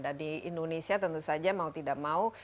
dan di indonesia tentu saja mau tidak mau